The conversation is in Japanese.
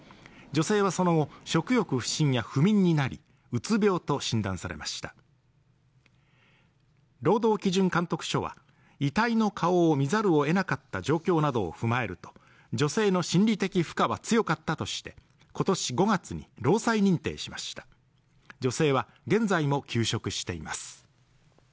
女性はその食欲不振や不眠になりうつ病と診断されました労働基準監督署は遺体の顔を見ざるを得なかった状況などを踏まえると女性の心理的負荷は強かったとして今年５月に労災認定しました女性は現在も休職しています